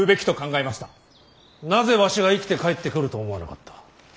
なぜわしが生きて帰ってくると思わなかった。